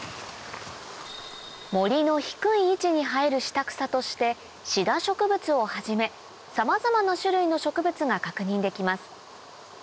森の低い位置に生える下草としてシダ植物をはじめさまざまな種類の植物が確認できます